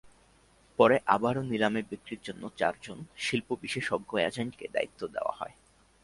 পরে আবারও নিলামে বিক্রির জন্য চারজন শিল্পবিশেষজ্ঞ এজেন্টকে দায়িত্ব দেওয়া হয়।